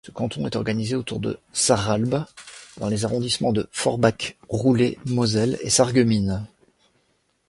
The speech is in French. Ce canton est organisé autour de Sarralbe dans les arrondissements de Forbach-Boulay-Moselle et Sarreguemines.